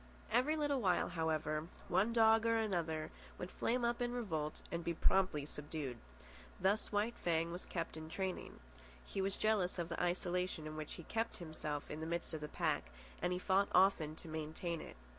Every little while, however, one dog or another would flame up in revolt and be promptly subdued. Thus White Fang was kept in training. He was jealous of the isolation in which he kept himself in the midst of the pack, and he fought often to maintain it.